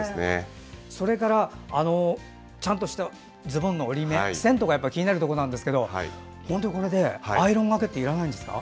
それからズボンの折り目、線とか気になるところなんですが本当にこれでアイロンがけはいらないんですか。